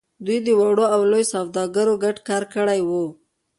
دوی وړو او لويو سوداګرو ګډ کار کړی و.